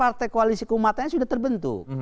partai koalisi keumatannya sudah terbentuk